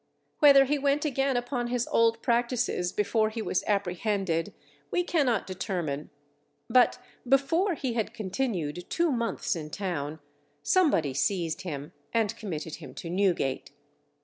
Whether he went again upon his old practices before he was apprehended, we cannot determine, but before he had continued two months in town, somebody seized him, and committed him to Newgate.